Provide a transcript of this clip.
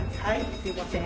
すいません。